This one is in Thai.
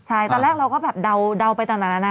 ใช่ตอนแรกเราก็แบบเดาไปต่างนานา